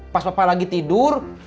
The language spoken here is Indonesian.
pas bapak lagi tidur